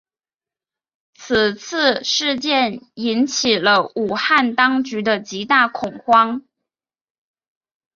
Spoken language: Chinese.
此次事件引起了武汉当局的极大恐慌。